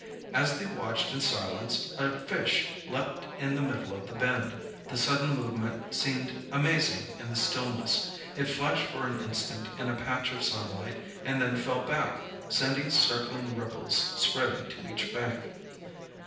As they watched in silence a fish leaped in the middle of the Bend. The sudden movement seemed amazing in the stillness. It flashed for an instant in a patch of sunlight, and then fell back, sending circling ripples spreading to each bank.